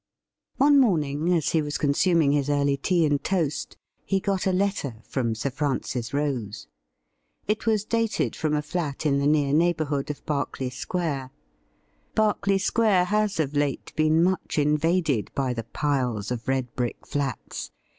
One morning, as he was consuming his early tea and toast, he got a letter from Sir Francis Rose. It was dated from a flat in the near neighbourhood of Berkeley Square. Berkeley Square has of late been much invaded by the pUes of red brick flats.